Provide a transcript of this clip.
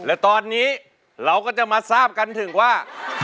และตอนนี้เราก็จะมาทราบกันถึงว่า